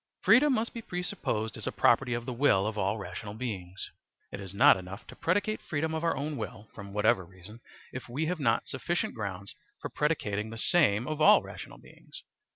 Freedom must be presupposed as a Property of the Will of all Rational Beings It is not enough to predicate freedom of our own will, from Whatever reason, if we have not sufficient grounds for predicating the same of all rational beings.